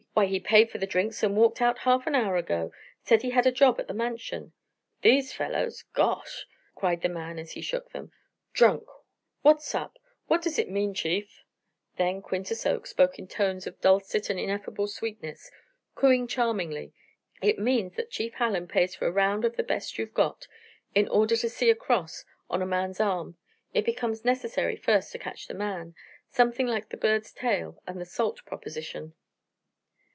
Why, he paid for the drinks and walked out half an hour ago said he had a job at the Mansion. These fellows gosh!" cried the man as he shook them "drunk! What's up what does it mean, Chief?" Then Quintus Oakes spoke in tones of dulcet and ineffable sweetness, cooingly, charmingly. "It means that Chief Hallen pays for a round of the best you've got. In order to see a cross on a man's arm it becomes necessary first to catch the man something like the bird's tail and the salt proposition."